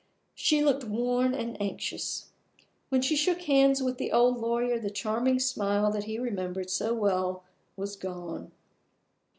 She looked worn and anxious. When she shook hands with the old lawyer the charming smile that he remembered so well was gone.